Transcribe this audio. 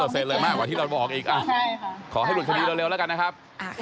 ล้านประเศษเลยมากกว่าที่เราบอกอีกอ่ะขอให้หลุดความยินดิ์เร็วแล้วกันนะครับ